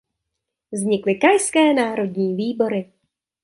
Vznikly krajské národní výbory.